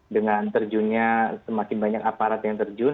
dengan terjunnya semakin banyak aparat yang terjun